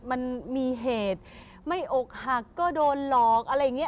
มันมีเหตุไม่อกหักก็โดนหลอกอะไรอย่างนี้